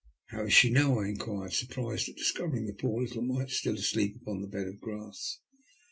*' How is she now ?" I enquired, surprised at dis covering the poor little mite still asleep upon the bed of grass.